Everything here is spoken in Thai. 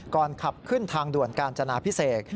ก่อนขับขึ้นทางด่วนกาญจนาพิเศษ